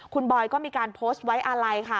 คุณบอยก็มีการโพสต์ไว้อาลัยค่ะ